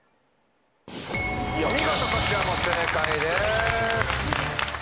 お見事こちらも正解です。